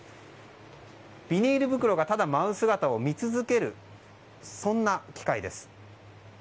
ビニール袋がただ舞う姿を見続ける、そんな機械です。